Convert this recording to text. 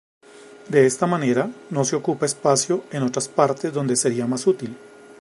De esta manera, no se ocupa espacio en otras partes donde sería más útil.